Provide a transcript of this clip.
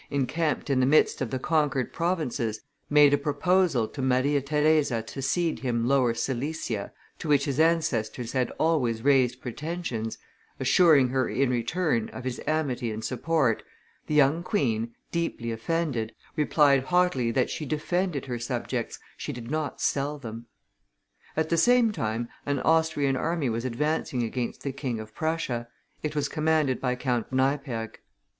encamped in the midst of the conquered provinces, made a proposal to Maria Theresa to cede him Lower Silesia, to which his ancestors had always raised pretensions, assuring her, in return, of his amity and support, the young queen, deeply offended, replied haughtily that she defended her subjects, she did not sell them. At the same time an Austrian army was advancing against the King of Prussia; it was commanded by Count Neipperg.